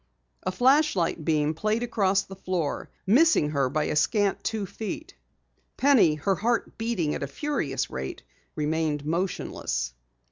A flashlight beam played across the floor, missing her by a scant two feet. Penny, her heart beating at a furious rate, remained motionless.